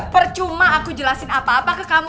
percuma aku jelasin apa apa ke kamu